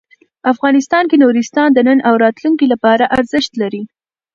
افغانستان کې نورستان د نن او راتلونکي لپاره ارزښت لري.